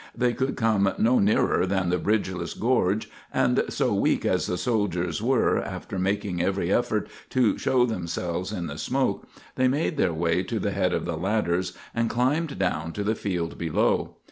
They could come no nearer than the bridgeless gorge, and so, weak as the soldiers were, after making every effort to show themselves in the smoke, they made their way to the head of the ladders and climbed down to the field below.